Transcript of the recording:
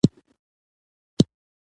تاسو باید هیڅکله هغه پیسې پانګونه ونه کړئ